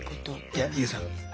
いやＹＯＵさん